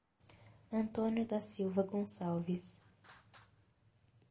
Antônio da Silva Goncalves